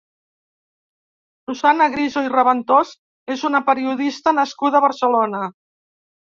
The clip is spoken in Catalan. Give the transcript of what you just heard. Susanna Griso i Raventós és una periodista nascuda a Barcelona.